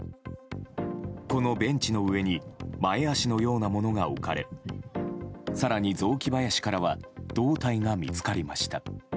このベンチの上に前脚のようなものが置かれ更に雑木林からは胴体が見つかりました。